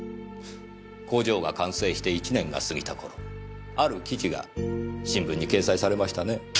工場が完成して１年が過ぎた頃ある記事が新聞に掲載されましたね。